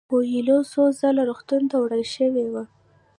کویلیو څو ځله روغتون ته وړل شوی و.